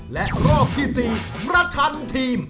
และรอบที่๔ประชันทีม